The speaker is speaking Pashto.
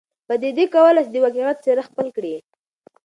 پدیدې کولای سي د واقعیت څېره خپل کړي.